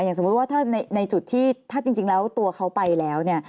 อย่างสมมุติว่าในจุดที่ถ้าจริงแล้วตัวเขาไปแล้ว